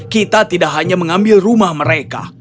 kita tidak hanya mengambil rumah mereka